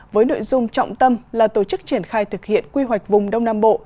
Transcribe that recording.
với nội dung trọng tâm là tổ chức triển khai thực hiện quy hoạch vùng đông nam bộ